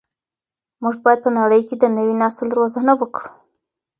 موږ باید په نړۍ کي د نوي نسل روزنه وکړو.